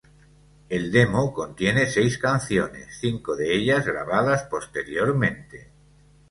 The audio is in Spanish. El demo contiene seis canciones, cinco de ellas grabadas posteriormente.